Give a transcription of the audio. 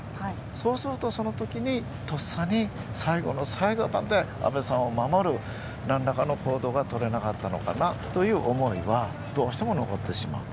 そうすると、そのときにとっさに、最後の最後まで安倍さんを守る何らかの行動が取れなかったのかという思いはどうしても残ってしまうと。